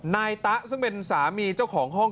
นายตะซึ่งเป็นสามีเจ้าของห้อง